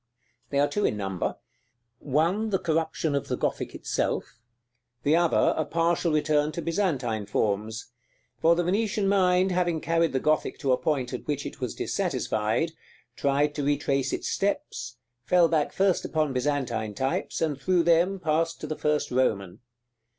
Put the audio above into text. They are two in number: one the corruption of the Gothic itself; the other a partial return to Byzantine forms; for the Venetian mind having carried the Gothic to a point at which it was dissatisfied, tried to retrace its steps, fell back first upon Byzantine types, and through them passed to the first Roman.